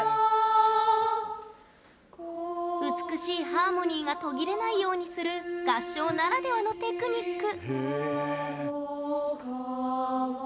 美しいハーモニーが途切れないようにする合唱ならではのテクニック。